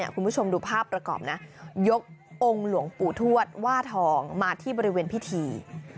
คุณผู้ชมดูภาพประกอบนะยกองค์หลวงปู่ทวดว่าทองมาที่บริเวณพิธี